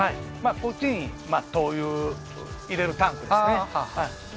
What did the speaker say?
こっちに灯油入れるタンクですねで